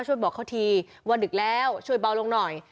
บอกเขาทีว่าดึกแล้วช่วยเบาลงหน่อย